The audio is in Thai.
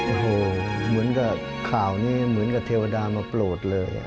โอ้โหเหมือนกับข่าวนี้เหมือนกับเทวดามาโปรดเลย